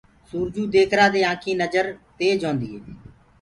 سورجو ديکرآ دي آنٚکينٚ نجر تيج هونٚدي هي